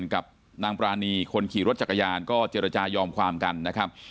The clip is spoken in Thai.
ขี่จักรยานยนต์กับนางปรานีคนขี่รถจักรยานก็เจรจายอมความกันนะครับ